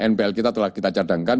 npl kita telah kita cadangkan